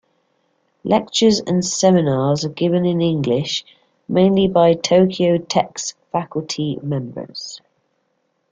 Lectures and seminars are given in English mainly by Tokyo Tech's faculty members.